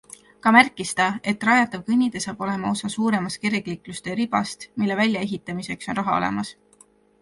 Ka märkis ta, et rajatav kõnnitee saab olema osa suuremast kergliiklustee ribast, mille väljaehitamiseks on raha olemas.